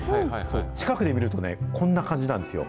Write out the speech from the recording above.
近くで見るとこんな感じなんですよ。